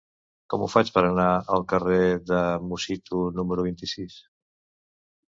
Com ho faig per anar al carrer de Musitu número vint-i-sis?